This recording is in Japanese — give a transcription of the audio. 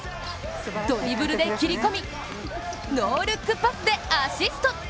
ドリブルで切り込みノールックパスでアシスト。